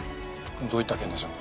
どういった件でしょう？